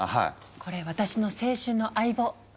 これ私の青春の相棒。